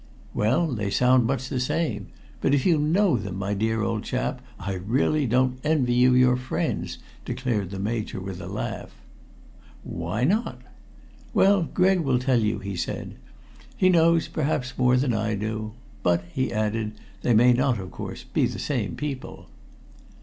"Well, they sound much the same. But if you know them, my dear old chap, I really don't envy you your friends," declared the Major with a laugh. "Why not?" "Well, Gregg will tell you," he said. "He knows, perhaps, more than I do. But," he added, "they may not, of course, be the same people."